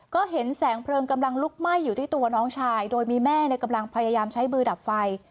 ก็เห็นแสงเพลิงกำลังลุกไหม้อยู่ที่ตัวน้องชายโดยมีแม่กำลังพยายามใช้มือดับไฟ